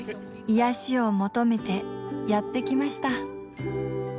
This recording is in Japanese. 癒しを求めてやってきました。